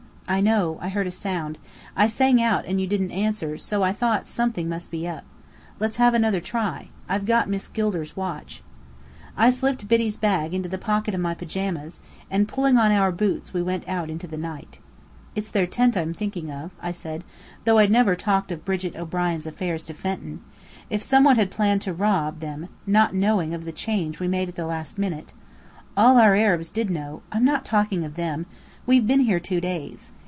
"I know. I heard a sound. I sang out, and you didn't answer, so I thought something must be up. Let's have another try. I've got Miss Gilder's watch." I slipped Biddy's bag into the pocket of my pyjamas, and pulling on our boots we went out into the night. "It's their tent I'm thinking of," I said, though I'd never talked of Brigit O'Brien's affairs to Fenton. "If some one had planned to rob them, not knowing of the change we made at the last minute " "All our Arabs did know " "I'm not talking of them. We've been here two days.